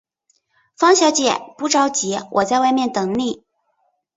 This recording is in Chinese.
方小姐，不着急，我在外面等妳。